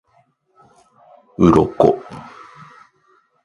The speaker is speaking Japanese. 鱗